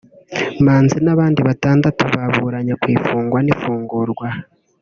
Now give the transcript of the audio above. Manzi n’abandi batandatu baburanye ku ifungwa n’ifungurwa